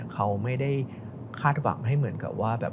เขาไม่ได้คาดหวังให้เหมือนกับว่าแบบ